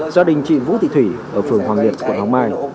gia đình chị vũ thị thủy ở phường hoàng liệt quận hoàng mai